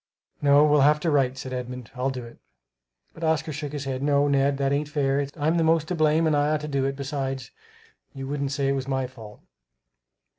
"No, we'll have to write," said Edmund; "I'll do it." But Oscar shook his head. "No, Ned, that ain't fair. I'm the most to blame and I ought to do it. Besides you wouldn't say it was my fault."